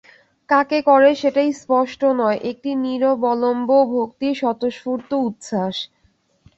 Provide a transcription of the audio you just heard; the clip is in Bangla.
কাকে করে সেটা স্পষ্ট নয়– একটি নিরবলম্ব ভক্তির স্বতঃস্ফূর্ত উচ্ছ্বাস।